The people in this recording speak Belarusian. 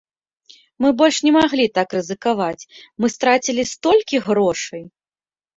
Мы больш не маглі так рызыкаваць, мы страцілі столькі грошай.